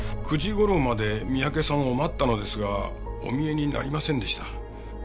９時頃まで三宅さんを待ったのですがお見えになりませんでした。